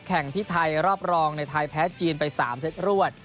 แข่งที่ไทยรอบรองในไทยแพ้จีนไป๓เซตรวด